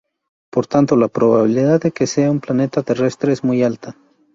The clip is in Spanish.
Por tanto, la probabilidad de que sea un planeta terrestre es muy alta.